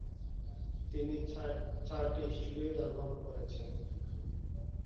তিনি চারটি studio album করেছেন।